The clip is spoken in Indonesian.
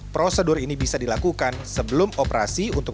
prosedur ini bisa dilakukan sebelum operasi untuk